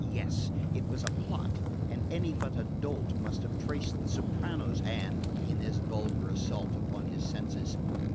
Yes! It was a plot, and any but a dolt must have traced the soprano's hand in this vulgar assault upon his senses.